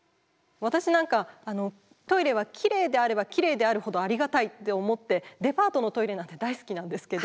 私なんかトイレはきれいであればきれいであるほどありがたいって思ってデパートのトイレなんて大好きなんですけど。